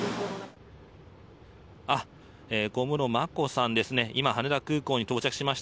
小室眞子さんですね。